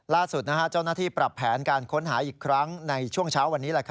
ล่าสุดเจ้าหน้าที่ปรับแผนการค้นหาอีกครั้งในช่วงเช้าวันนี้